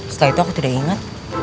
setelah itu aku tidak ingat